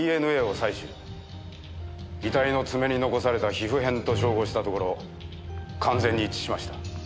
遺体の爪に残された皮膚片と照合したところ完全に一致しました。